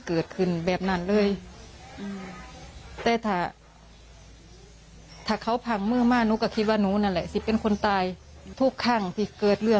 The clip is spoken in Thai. เกิดขึ้นบับบ่อยถ้าเมาส์ทุกมือก็เกิดขึ้นทุกมือ